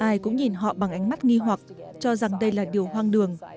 ai cũng nhìn họ bằng ánh mắt nghi hoặc cho rằng đây là điều hoang đường